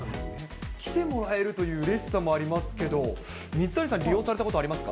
来てもらえるといううれしさもありますけど、水谷さん、利用されたことありますか。